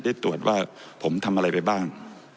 ได้ตรวจว่าผมทำอะไรไปบ้าง